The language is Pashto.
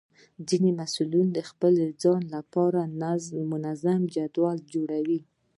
ځینې محصلین د خپل ځان لپاره منظم جدول جوړوي.